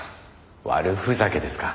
悪ふざけですか。